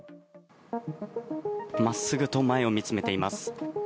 真っすぐと前を見つめています。